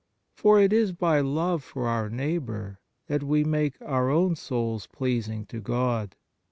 For it is by love for our neighbour that we make our own souls pleasing to God.